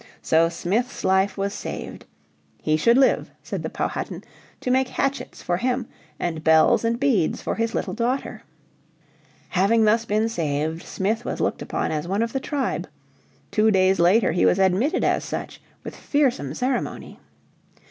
So Smith's life was saved. He should live, said the Powhatan, to make hatchets for him, and bells and beads for his little daughter. Having thus been saved, Smith was looked upon as one of the tribe. Two days later he was admitted as such with fearsome ceremony.